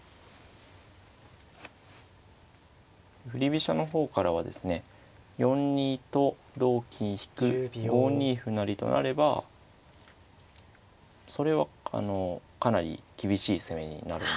振り飛車の方からはですね４二と同金引５二歩成となればそれはかなり厳しい攻めになるんですけど。